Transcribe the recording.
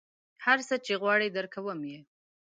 هر څه چې غواړې درکوم یې.